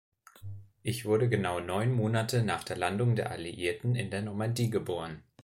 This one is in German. Ich wurde genau neun Monate nach der Landung der Alliierten in der Normandie geboren.